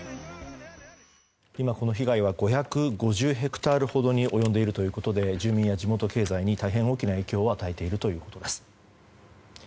今、この被害は５５０ヘクタールほどに及んでいるということで住民や地元経済に大変大きな影響を与えているということです。